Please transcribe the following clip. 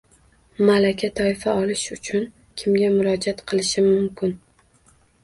Malaka toifa olish uchun kimga murojaat qilishim mumkin?